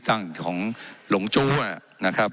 ว่าการกระทรวงบาทไทยนะครับ